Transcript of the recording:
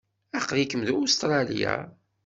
Aql-ikem deg Ustṛalya?